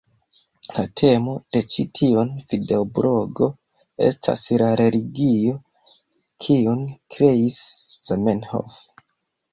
La temo de ĉi tiun videoblogo estas la religio kiun kreis Zamenhof.